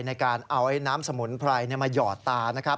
ในการเอาน้ำสมุนไพรมาหยอดตานะครับ